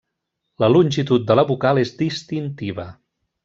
La longitud de la vocal és distintiva.